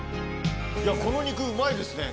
この肉うまいですね。